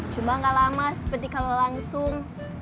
cuma gak lama seperti kalau langsung